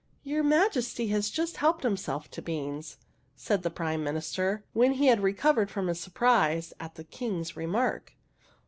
'' Your Majesty has just helped himself to beans," said the Prime Minister, when he had recovered from his surprise at the King's remark.